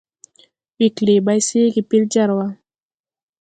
Wee klee bay seege pel jar wa.